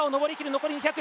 残り２００。